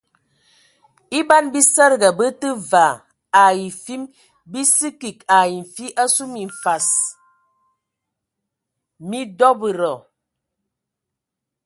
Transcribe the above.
E ban bisədəga bə tə vaa ai fim bi sə kig ai nfi asu minfas mi dɔbədɔ.